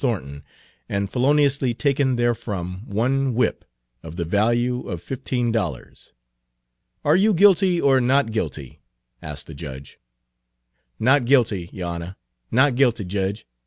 Thornton, and feloniously taken therefrom one whip, of the value of fifteen dollars. "Are you guilty or not guilty?" asked the judge. "Not guilty, yo' Honah; not guilty, Jedge.